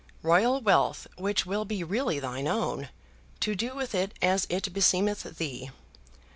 Royal wealth which will be really thine own, to do with it as it beseemeth thee.